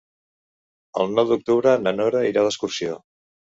El nou d'octubre na Nora irà d'excursió.